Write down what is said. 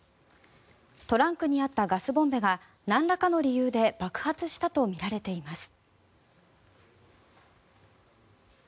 トランクにあったガスボンベがなんらかの理由で爆発したとみられています。